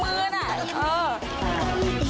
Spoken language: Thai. ขยับขยับหน่อยครับ